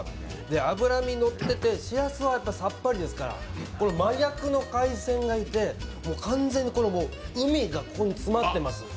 脂身が乗っていて、しらすはさっぱりですから、真逆の海鮮がいて、これは完全に海がここに詰まってます。